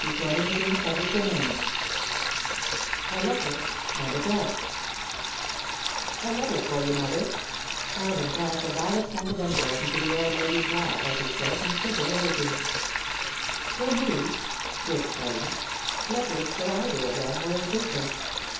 VII A Letter and a Guest [Sidenote: An Unexpected Missive] "A letter for you, Mother," Alden tossed a violet scented envelope into the old lady's lap as he spoke, and stood there, waiting. "For me!" she exclaimed. Letters for either of them were infrequent.